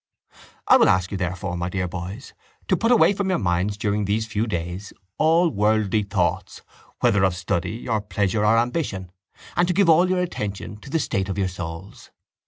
—I will ask you, therefore, my dear boys, to put away from your minds during these few days all worldly thoughts, whether of study or pleasure or ambition, and to give all your attention to the state of your souls.